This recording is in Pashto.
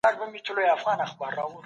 نظامي تعلیم یې ترلاسه کړی و.